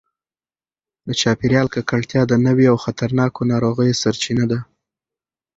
د چاپیریال ککړتیا د نویو او خطرناکو ناروغیو سرچینه ده.